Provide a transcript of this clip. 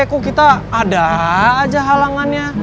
kok kita ada aja halangannya